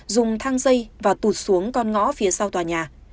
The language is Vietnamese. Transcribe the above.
dùng thang dây và tụt xuống con ngõ phía sau tòa nhà